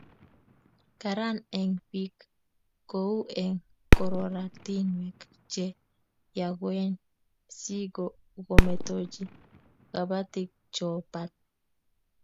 Karan eng' piik kou eng' koratinwek che yakwaen si kometochi kabatik ko pat